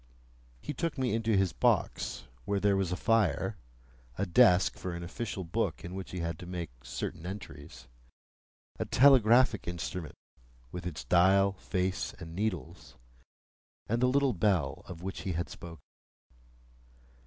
He took me into his box, where there was a fire, a desk for an official book in which he had to make certain entries, a telegraphic instrument with its dial, face, and needles, and the little bell of which he had spoken.